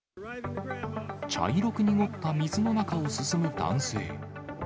茶色く濁った水の中を進む男性。